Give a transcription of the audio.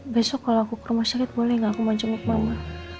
besok kalau aku ke rumah sakit boleh gak aku mau jemik mama